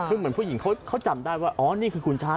คือเหมือนผู้หญิงเขาจำได้ว่าอ๋อนี่คือคุณช้า